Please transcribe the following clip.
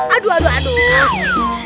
aduh aduh aduh